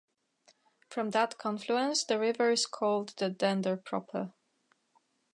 From that confluence the river is called the Dender proper.